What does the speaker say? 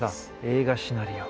映画シナリオ。